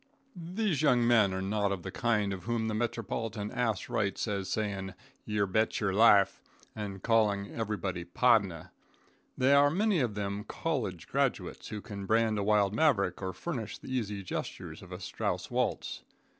These young men are not of the kind of whom the metropolitan ass writes as saying "youbetcherlife," and calling everybody "pardner." They are many of them college graduates, who can brand a wild Maverick or furnish the easy gestures for a Strauss waltz.